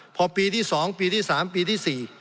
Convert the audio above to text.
พอปีที่๒ปีที่๓ปีที่๔